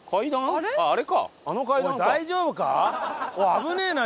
危ねえな！